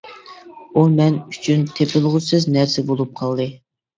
ئۇ مەن ئۈچۈن تېپىلغۇسىز نەرسە بولۇپ قالدى.